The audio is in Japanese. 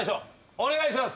お願いします。